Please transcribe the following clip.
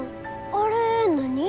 あれ何？